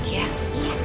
semuanya baik baik ya